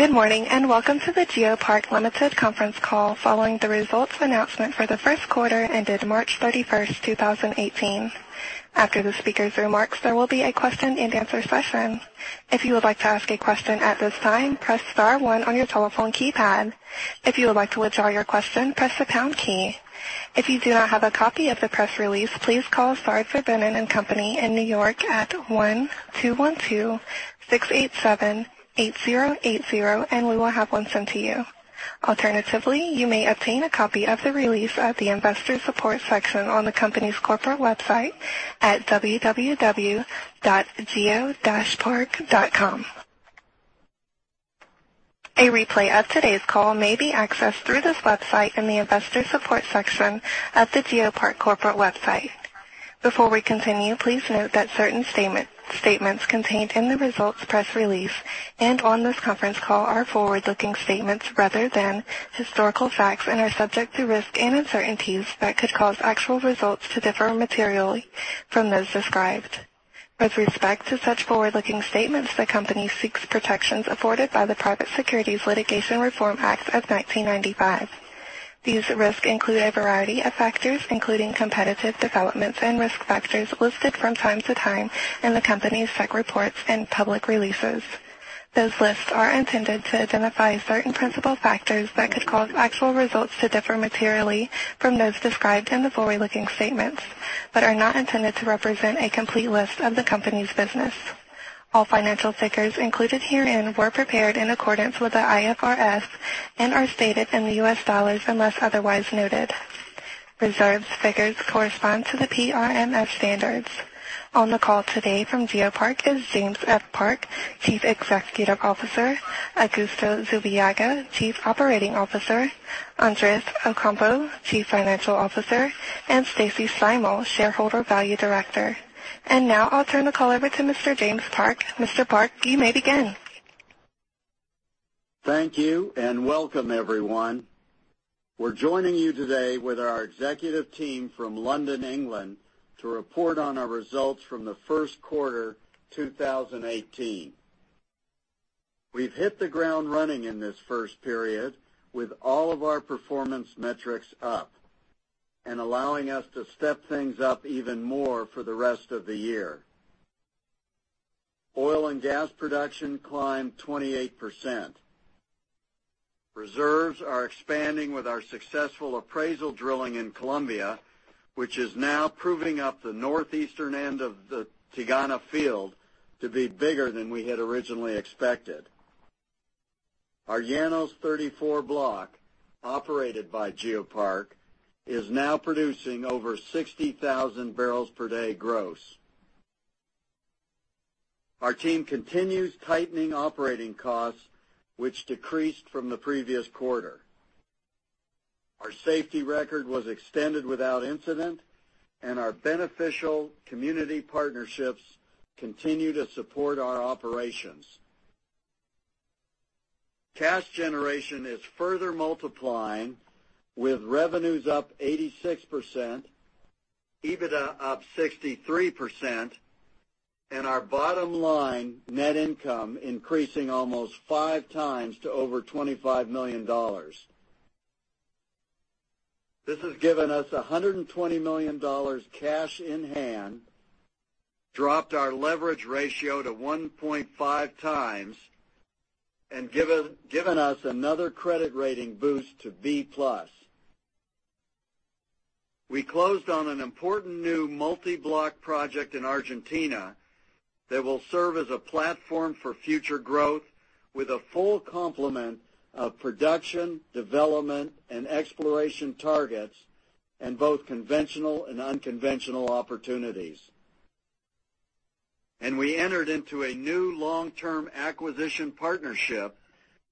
Good morning, welcome to the GeoPark Limited conference call following the results announcement for the first quarter ended March 31st, 2018. After the speakers' remarks, there will be a question and answer session. If you would like to ask a question at this time, press star one on your telephone keypad. If you would like to withdraw your question, press the pound key. If you do not have a copy of the press release, please call Sard Verbinnen & Co. in New York at 1-212-687-8080, and we will have one sent to you. Alternatively, you may obtain a copy of the release at the investor support section on the company's corporate website at www.geopark.com. A replay of today's call may be accessed through this website in the investor support section of the GeoPark corporate website. Before we continue, please note that certain statements contained in the results press release and on this conference call are forward-looking statements rather than historical facts and are subject to risks and uncertainties that could cause actual results to differ materially from those described. With respect to such forward-looking statements, the company seeks protections afforded by the Private Securities Litigation Reform Act of 1995. These risks include a variety of factors, including competitive developments and risk factors listed from time to time in the company's SEC reports and public releases. Those lists are intended to identify certain principal factors that could cause actual results to differ materially from those described in the forward-looking statements but are not intended to represent a complete list of the company's business. All financial figures included herein were prepared in accordance with the IFRS and are stated in the U.S. dollars unless otherwise noted. Reserved figures correspond to the PRMS standards. On the call today from GeoPark is James F. Park, Chief Executive Officer, Augusto Zubillaga, Chief Operating Officer, Andrés Ocampo, Chief Financial Officer, and Stacy Steimel, Shareholder Value Director. Now I'll turn the call over to Mr. James Park. Mr. Park, you may begin. Thank you, and welcome, everyone. We're joining you today with our executive team from London, England, to report on our results from the first quarter 2018. We've hit the ground running in this first period with all of our performance metrics up and allowing us to step things up even more for the rest of the year. Oil and gas production climbed 28%. Reserves are expanding with our successful appraisal drilling in Colombia, which is now proving up the northeastern end of the Tigana field to be bigger than we had originally expected. Our Llanos 34 block, operated by GeoPark, is now producing over 60,000 barrels per day gross. Our team continues tightening operating costs, which decreased from the previous quarter. Our safety record was extended without incident, and our beneficial community partnerships continue to support our operations. Cash generation is further multiplying, with revenues up 86%, EBITDA up 63%, and our bottom line net income increasing almost 5 times to over $25 million. This has given us $120 million cash in hand, dropped our leverage ratio to 1.5 times, and given us another credit rating boost to B+. We closed on an important new multi-block project in Argentina that will serve as a platform for future growth with a full complement of production, development, and exploration targets in both conventional and unconventional opportunities. We entered into a new long-term acquisition partnership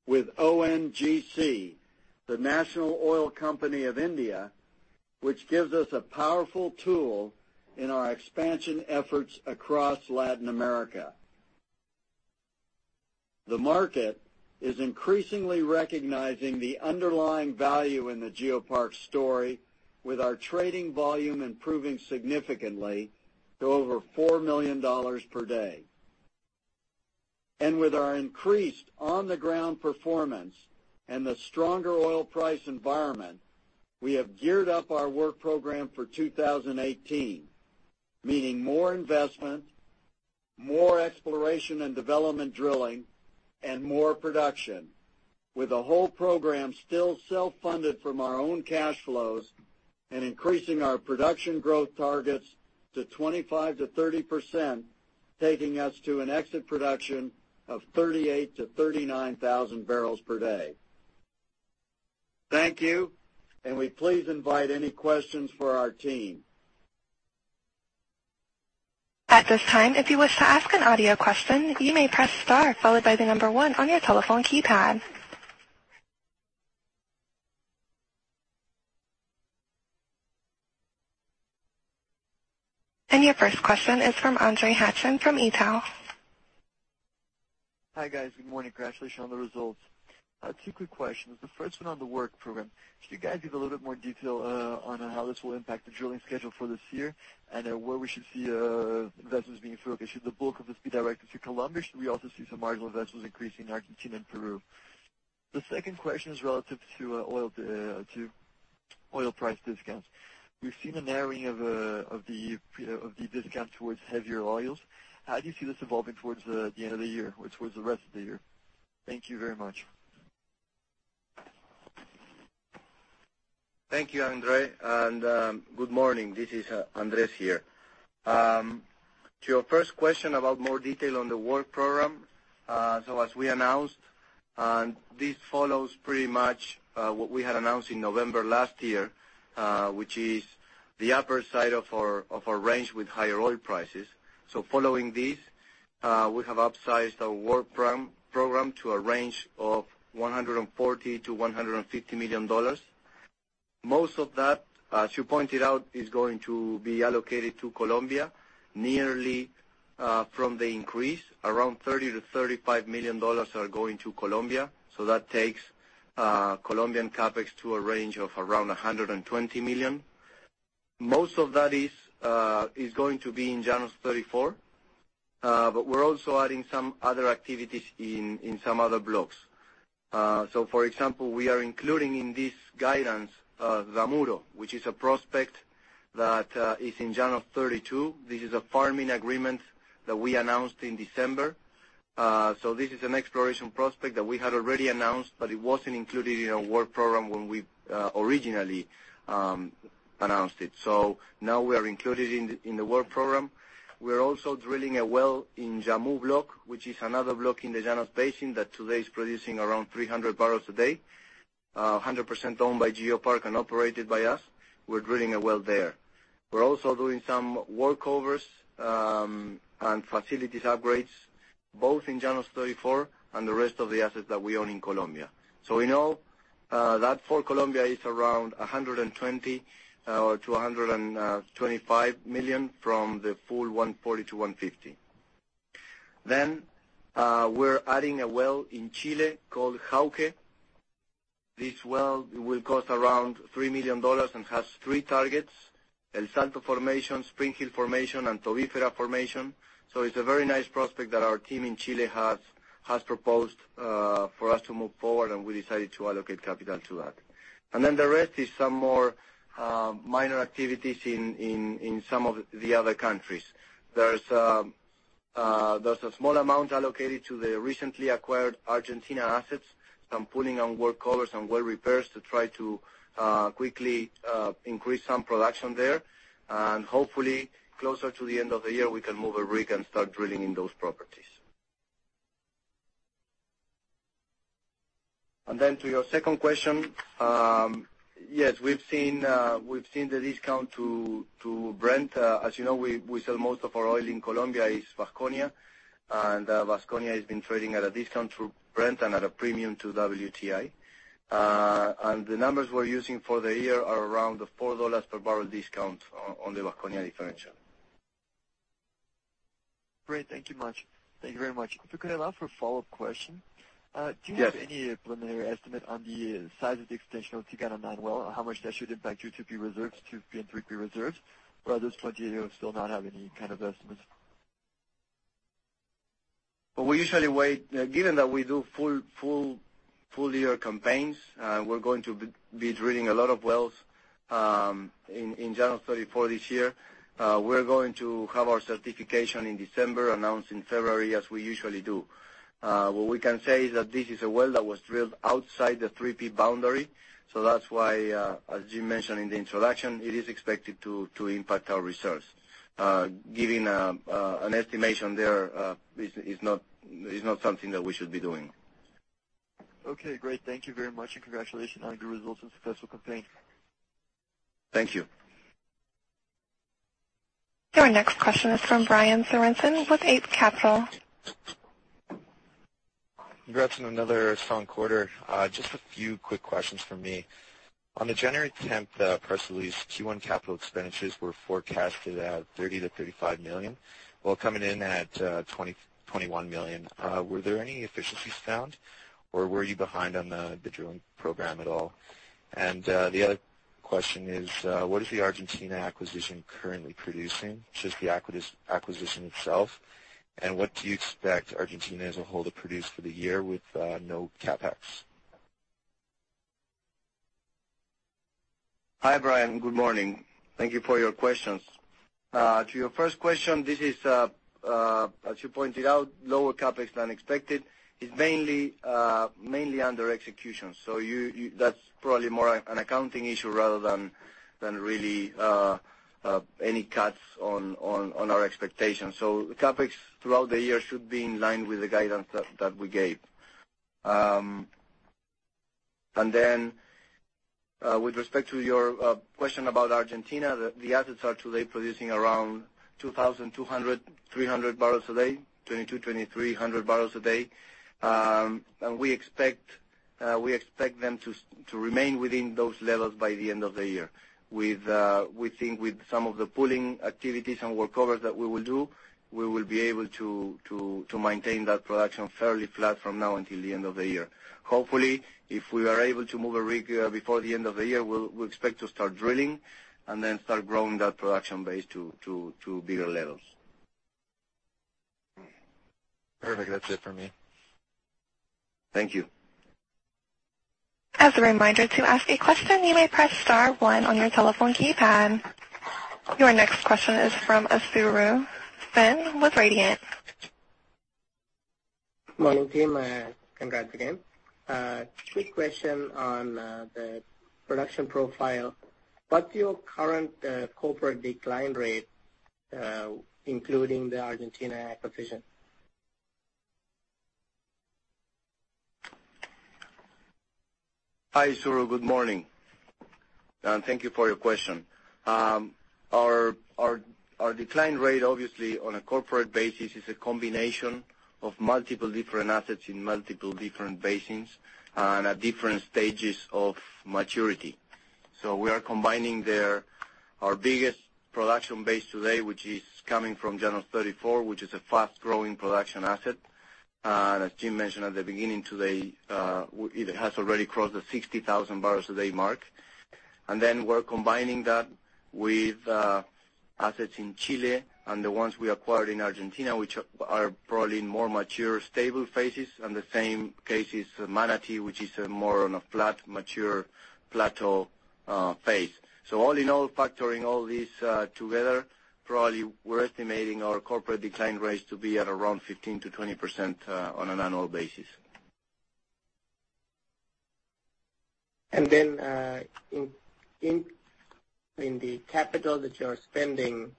with ONGC, the national oil company of India, which gives us a powerful tool in our expansion efforts across Latin America. The market is increasingly recognizing the underlying value in the GeoPark story with our trading volume improving significantly to over $4 million per day. With our increased on-the-ground performance and the stronger oil price environment, we have geared up our work program for 2018, meaning more investment, more exploration and development drilling, and more production, with the whole program still self-funded from our own cash flows and increasing our production growth targets to 25%-30%, taking us to an exit production of 38,000-39,000 barrels per day. Thank you. We please invite any questions for our team. At this time, if you wish to ask an audio question, you may press star followed by the number 1 on your telephone keypad. Your first question is from Andre Hachem from Itaú BBA. Hi, guys. Good morning. Congratulations on the results. Two quick questions. The first one on the work program. Could you guys give a little bit more detail on how this will impact the drilling schedule for this year and where we should see investments being focused? Should the bulk of this be directed to Colombia? Should we also see some marginal investments increasing in Argentina and Peru? The second question is relative to oil price discounts. We've seen a narrowing of the discount towards heavier oils. How do you see this evolving towards the end of the year or towards the rest of the year? Thank you very much. Thank you, Andre Hachem. Good morning. This is Andrés here. To your first question about more detail on the work program. As we announced, this follows pretty much what we had announced in November last year, which is the upper side of our range with higher oil prices. Following this, we have upsized our work program to a range of $140 million-$150 million. Most of that, as you pointed out, is going to be allocated to Colombia. Nearly from the increase, around $30 million-$35 million are going to Colombia. That takes Colombian CapEx to a range of around $120 million. Most of that is going to be in Llanos 34, but we're also adding some other activities in some other blocks. For example, we are including in this guidance Zamuro, which is a prospect that is in Llanos 32. This is a farming agreement that we announced in December. This is an exploration prospect that we had already announced, but it wasn't included in our work program when we originally announced it. Now we are included in the work program. We are also drilling a well in Yamú block, which is another block in the Llanos Basin that today is producing around 300 barrels a day, 100% owned by GeoPark and operated by us. We're drilling a well there. We're also doing some workovers and facilities upgrades, both in Llanos 34 and the rest of the assets that we own in Colombia. We know that for Colombia it's around $120 million-$225 million from the full $140 million-$150 million. We're adding a well in Chile called Jauke. This well will cost around $3 million and has three targets, El Salto Formation, Springhill Formation, and Tobífera Formation. It's a very nice prospect that our team in Chile has proposed, for us to move forward, and we decided to allocate capital to that. The rest is some more minor activities in some of the other countries. There's a small amount allocated to the recently acquired Argentina assets, some pulling on workovers and well repairs to try to quickly increase some production there. Hopefully closer to the end of the year, we can move a rig and start drilling in those properties. To your second question, yes, we've seen the discount to Brent. As you know, we sell most of our oil in Colombia as Vasconia, and Vasconia has been trading at a discount to Brent and at a premium to WTI. The numbers we're using for the year are around $4 per barrel discount on the Vasconia differential. Great. Thank you much. Thank you very much. If you could allow for a follow-up question. Yes. Do you have any preliminary estimate on the size of the extension of Tigana-9 well? How much that should impact your 2P reserves, 2P and 3P reserves? Or at this point, you still not have any kind of estimates? Well, we usually wait, given that we do full year campaigns, we're going to be drilling a lot of wells in Llanos 34 this year. We're going to have our certification in December, announced in February, as we usually do. What we can say is that this is a well that was drilled outside the 3P boundary, so that's why, as Jim mentioned in the introduction, it is expected to impact our reserves. Giving an estimation there is not something that we should be doing. Okay, great. Thank you very much, and congratulations on your results and successful campaign. Thank you. Your next question is from Brian Sorenson with Eight Capital. Congrats on another strong quarter. Just a few quick questions from me. On the January 10th press release, Q1 capital expenditures were forecasted at $30 million-$35 million. Well coming in at $21 million. Were there any efficiencies found or were you behind on the drilling program at all? The other question is, what is the Argentina acquisition currently producing? Just the acquisition itself, and what do you expect Argentina as a whole to produce for the year with no CapEx? Hi, Brian. Good morning. Thank you for your questions. To your first question, this is, as you pointed out, lower CapEx than expected. It's mainly under execution. That's probably more an accounting issue rather than really any cuts on our expectations. The CapEx throughout the year should be in line with the guidance that we gave. With respect to your question about Argentina, the assets are today producing around 2,200, 300 barrels a day. 2,200-2,300 barrels a day. We expect them to remain within those levels by the end of the year. We think with some of the pooling activities and workovers that we will do, we will be able to maintain that production fairly flat from now until the end of the year. Hopefully, if we are able to move a rig before the end of the year, we'll expect to start drilling and then start growing that production base to bigger levels. Perfect. That's it for me. Thank you. As a reminder, to ask a question, you may press star one on your telephone keypad. Your next question is from Anshul Sven with Radiant. Morning, team. Congrats again. Quick question on the production profile. What's your current corporate decline rate, including the Argentina acquisition? Hi, Anshul. Good morning, and thank you for your question. Our decline rate, obviously, on a corporate basis is a combination of multiple different assets in multiple different basins and at different stages of maturity. We are combining there our biggest production base today, which is coming from Llanos 34, which is a fast-growing production asset. As Jim mentioned at the beginning today, it has already crossed the 60,000 barrels a day mark. We're combining that with assets in Chile and the ones we acquired in Argentina, which are probably more mature, stable phases. The same case is Manati, which is more on a flat, mature plateau phase. All in all, factoring all these together, probably we're estimating our corporate decline rates to be at around 15%-20% on an annual basis. In the capital that you're spending,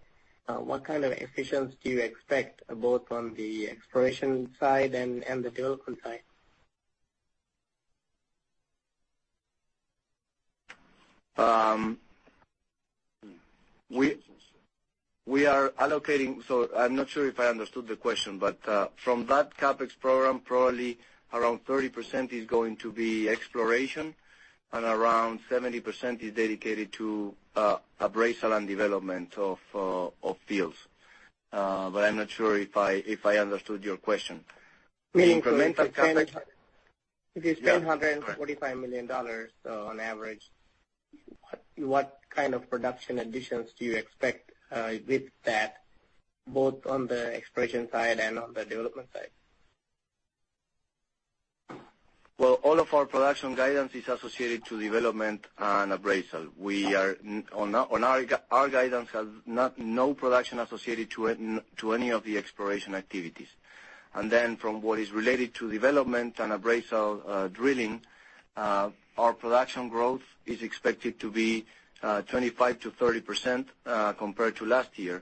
what kind of efficiency do you expect, both on the exploration side and the development side? I'm not sure if I understood the question, from that CapEx program, probably around 30% is going to be exploration and around 70% is dedicated to appraisal and development of fields. I'm not sure if I understood your question. Meaning if you spend- Yes. If you spend- Correct $45 million on average, what kind of production additions do you expect with that, both on the exploration side and on the development side? All of our production guidance is associated to development and appraisal. Our guidance has no production associated to any of the exploration activities. From what is related to development and appraisal drilling, our production growth is expected to be 25%-30% compared to last year.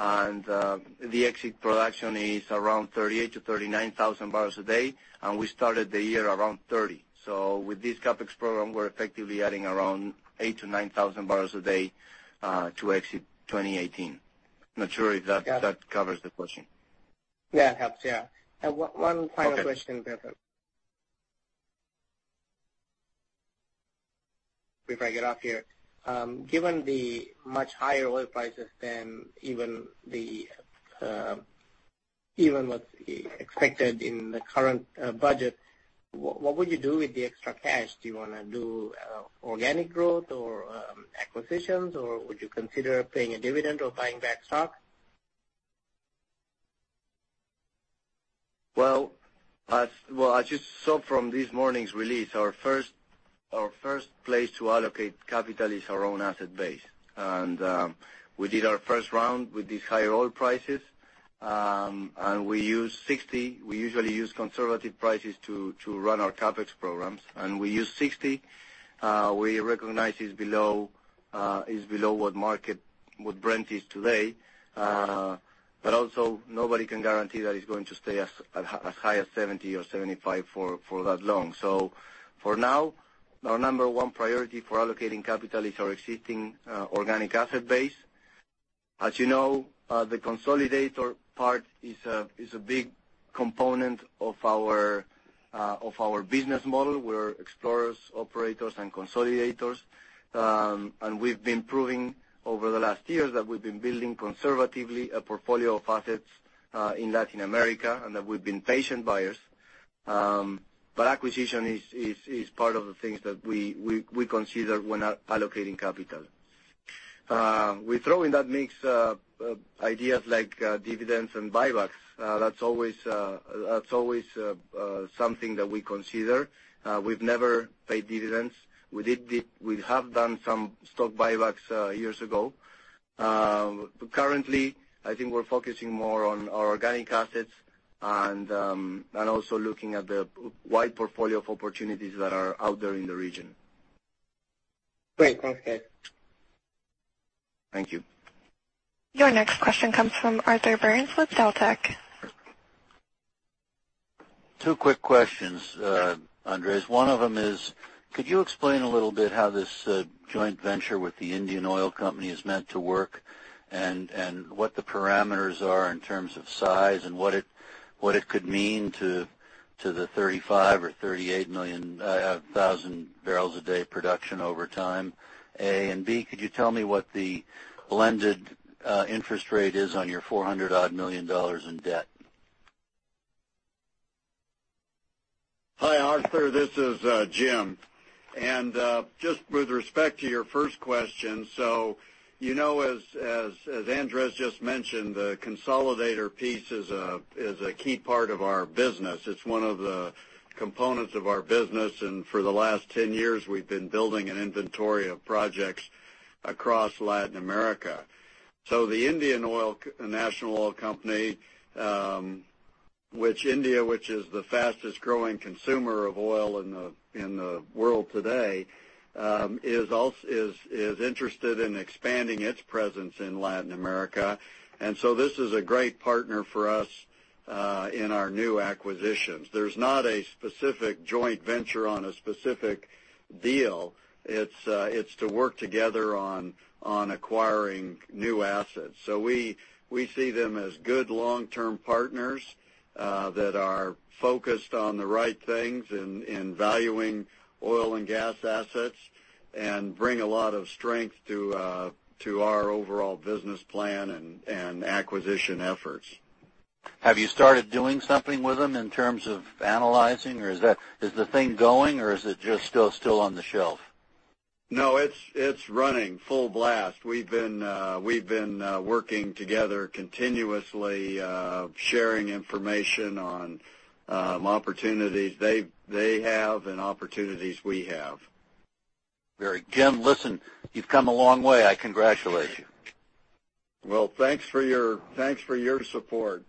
The exit production is around 38,000-39,000 barrels a day, and we started the year around 30. With this CapEx program, we're effectively adding around 8,000-9,000 barrels a day to exit 2018. Not sure if that covers the question. Yeah, it helps. Yeah. One final question here. Okay. Before I get off here. Given the much higher oil prices than even what's expected in the current budget, what would you do with the extra cash? Do you want to do organic growth or acquisitions, or would you consider paying a dividend or buying back stock? Well, as you saw from this morning's release, our first place to allocate capital is our own asset base. We did our first round with these higher oil prices. We used $60. We usually use conservative prices to run our CapEx programs, and we used $60. We recognize it's below what Brent is today. Also, nobody can guarantee that it's going to stay as high as $70 or $75 for that long. For now, our number one priority for allocating capital is our existing organic asset base. You know, the consolidator part is a big component of our business model. We're explorers, operators, and consolidators. We've been proving over the last years that we've been building conservatively a portfolio of assets, in Latin America and that we've been patient buyers. Acquisition is part of the things that we consider when allocating capital. We throw in that mix ideas like dividends and buybacks. That's always something that we consider. We've never paid dividends. We have done some stock buybacks years ago. Currently, I think we're focusing more on our organic assets and also looking at the wide portfolio of opportunities that are out there in the region. Great. Thanks, guys. Thank you. Your next question comes from Arthur Baines with Deltec. Two quick questions, Andrés. One of them is, could you explain a little bit how this joint venture with the Indian Oil Company is meant to work and what the parameters are in terms of size and what it could mean to the 35 or 38 thousand barrels a day production over time? A. B, could you tell me what the blended interest rate is on your $400 odd million in debt? Arthur, this is Jim. Just with respect to your first question, as Andrés just mentioned, the consolidator piece is a key part of our business. It's one of the components of our business, for the last 10 years, we've been building an inventory of projects across Latin America. The Indian National Oil Company, which India, which is the fastest-growing consumer of oil in the world today, is interested in expanding its presence in Latin America. This is a great partner for us in our new acquisitions. There's not a specific joint venture on a specific deal. It's to work together on acquiring new assets. We see them as good long-term partners that are focused on the right things in valuing oil and gas assets and bring a lot of strength to our overall business plan and acquisition efforts. Have you started doing something with them in terms of analyzing, or is the thing going, or is it just still on the shelf? No, it's running full blast. We've been working together continuously, sharing information on opportunities they have and opportunities we have. Very. Jim, listen, you've come a long way. I congratulate you. Well, thanks for your support.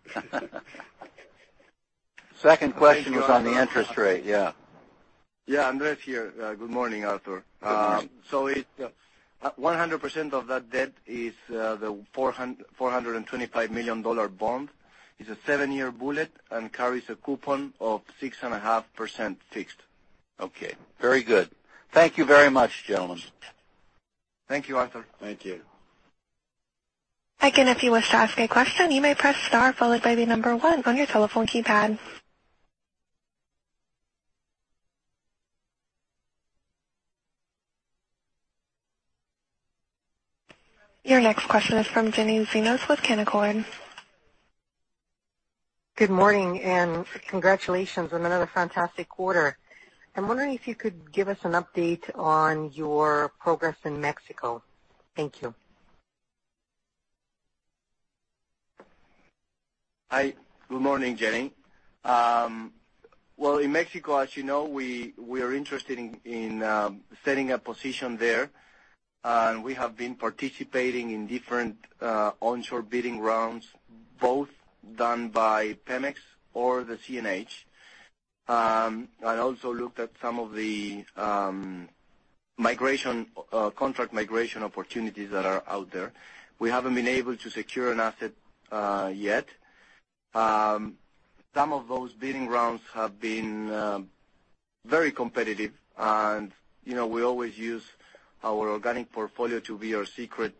Second question was on the interest rate. Yeah. Yeah, Andrés here. Good morning, Arthur. Good morning. 100% of that debt is the $425 million bond. It's a seven-year bullet and carries a coupon of 6.5% fixed. Okay, very good. Thank you very much, gentlemen. Thank you, Arthur. Thank you. Again, if you wish to ask a question, you may press star followed by the number 1 on your telephone keypad. Your next question is from Jenny Zonnev with Canaccord. Good morning, and congratulations on another fantastic quarter. I'm wondering if you could give us an update on your progress in Mexico. Thank you. Hi, good morning, Jenny. In Mexico, as you know, we are interested in setting a position there. We have been participating in different onshore bidding rounds, both done by Pemex or the CNH. Also looked at some of the contract migration opportunities that are out there. We haven't been able to secure an asset yet. Some of those bidding rounds have been very competitive and we always use our organic portfolio to be our secret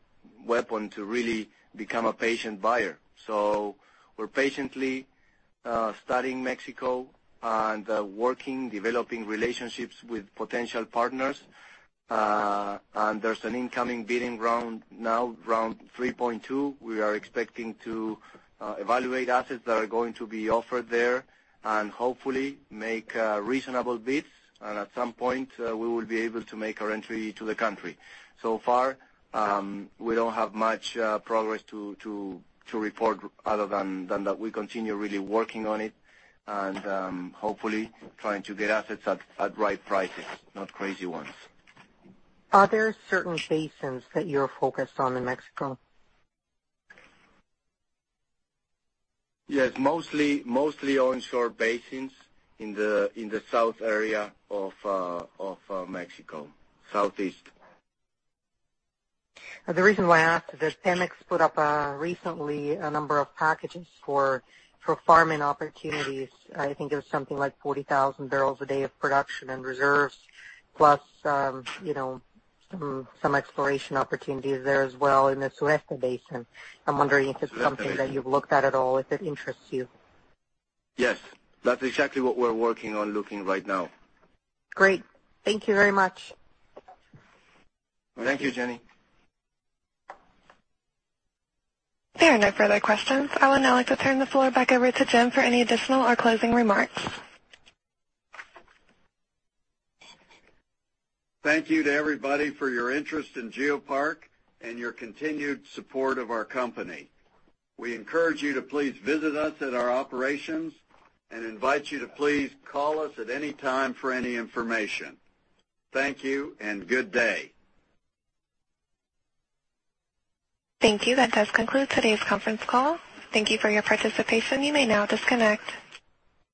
weapon to really become a patient buyer. We're patiently studying Mexico and working, developing relationships with potential partners. There's an incoming bidding round now, Round 3.2. We are expecting to evaluate assets that are going to be offered there and hopefully make reasonable bids. At some point, we will be able to make our entry to the country. Far, we don't have much progress to report other than that we continue really working on it, and hopefully, trying to get assets at right prices, not crazy ones. Are there certain basins that you're focused on in Mexico? Yes, mostly onshore basins in the south area of Mexico, southeast. The reason why I asked is that Pemex put up recently a number of packages for farming opportunities. I think it was something like 40,000 barrels a day of production and reserves, plus some exploration opportunities there as well in the Sureste Basin. I'm wondering if it's something that you've looked at at all, if it interests you. Yes. That's exactly what we're working on looking right now. Great. Thank you very much. Thank you, Jenny. There are no further questions. I would now like to turn the floor back over to Jim for any additional or closing remarks. Thank you to everybody for your interest in GeoPark and your continued support of our company. We encourage you to please visit us at our operations and invite you to please call us at any time for any information. Thank you and good day. Thank you. That does conclude today's conference call. Thank you for your participation. You may now disconnect.